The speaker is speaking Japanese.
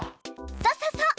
そうそうそう！